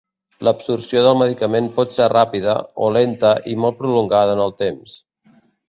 L'absorció del medicament pot ser ràpida, o lenta i molt prolongada en el temps.